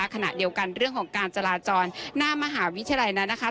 ขณะเดียวกันเรื่องของการจราจรหน้ามหาวิทยาลัยนั้นนะคะ